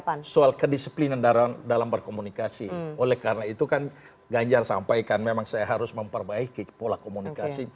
ada soal kedisiplinan dalam berkomunikasi oleh karena itu kan ganjar sampaikan memang saya harus memperbaiki pola komunikasi